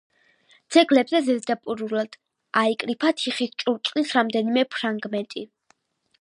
ძეგლებზე ზედაპირულად აიკრიფა თიხის ჭურჭლის რამდენიმე ფრაგმენტი.